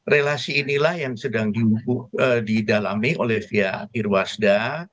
relasi inilah yang sedang didalami oleh via irwasda